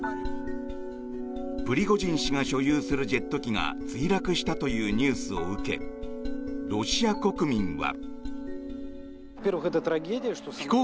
プリゴジン氏が所有するジェット機が墜落したというニュースを受けロシア国民は。